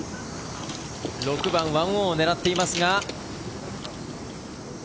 ６番、１オンを狙っていますが。